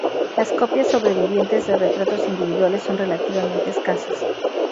Las copias sobrevivientes de retratos individuales son relativamente escasas.